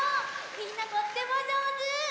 みんなとってもじょうず。